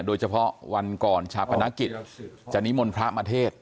โดยเฉพาะวันก่อนชาปนกิจจะนิมนต์พระมาเทศ